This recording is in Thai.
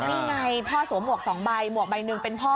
นี่ไงพ่อสวมหวก๒ใบหมวกใบหนึ่งเป็นพ่อ